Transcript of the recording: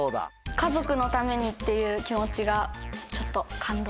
家族のためにっていう気持ちがちょっと感動。